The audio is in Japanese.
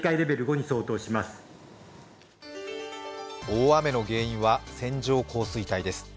大雨の原因は線状降水帯です。